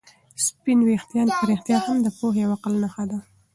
سپین ویښتان په رښتیا هم د پوهې او عقل نښه ده.